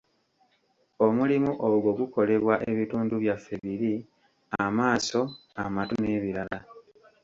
Omulimu ogwo gukolebwa ebitundu byaffe biri: amaaso, amatu n'ebirala.